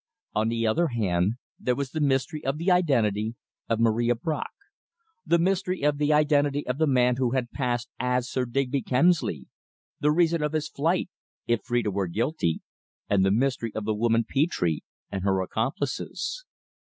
On the other hand, there was the mystery of the identity of Marie Bracq, the mystery of the identity of the man who had passed as Sir Digby Kemsley, the reason of his flight, if Phrida were guilty, and the mystery of the woman Petre, and her accomplices.